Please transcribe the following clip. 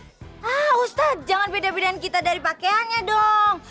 hah ustadz jangan beda bedaan kita dari pakaiannya dong